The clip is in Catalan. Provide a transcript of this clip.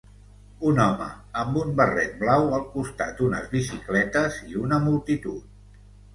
Un home amb un barret blau al costat d'unes bicicletes i una multitud.